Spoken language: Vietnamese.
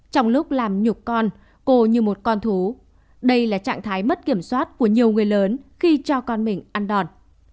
trong lúc làm nhục con cô như một con thú đây là trạng thái mất kiểm soát của nhiều người lớn khi cho con mình ăn đòn